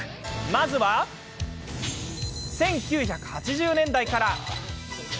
まずは１９８０年代から。